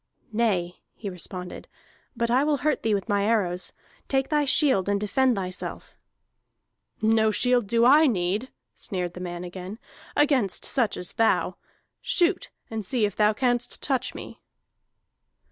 "Nay," he responded, "but I will hurt thee with my arrows. Take thy shield and defend thyself." "No shield do I need," sneered the man again, "against such as thou. Shoot, and see if thou canst touch me!"